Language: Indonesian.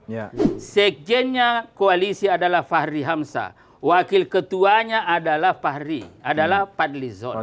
ya sekjennya koalisi adalah fahri hamzah wakil ketuanya adalah fahri adalah fadli zon